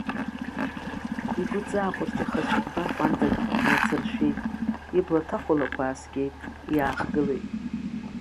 Игәы ҵаа ҟәырҷаха цәыкәбар ҟәандак нацыршәеит, ибла ҭахәалақәа ааскьеит, иаахгылеит.